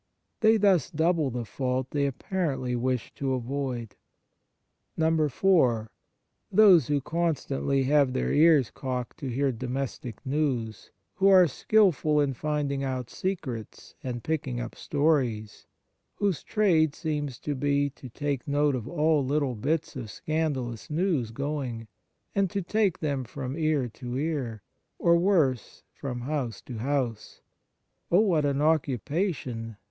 They thus double the fault they apparently wish to avoid. (4) Those who 55 Fraternal Charity constantly have their ears cocked to hear domestic news, who are skilful in finding out secrets and picking up stories, whose trade seems to be to take note of all little bits of scandalous news going, and to take them from ear to ear, or, worse, from house to house. Oh, what an occupation